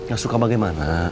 gak suka bagaimana